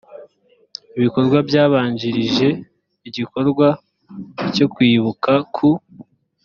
ibikorwa byabanjirije igikorwa cyo kwibuka ku